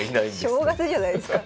正月じゃないですか！